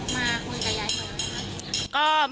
มาคุยกับหญิงหน่า